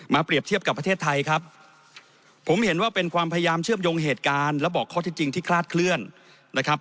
เปรียบเทียบกับประเทศไทยครับผมเห็นว่าเป็นความพยายามเชื่อมโยงเหตุการณ์และบอกข้อที่จริงที่คลาดเคลื่อนนะครับ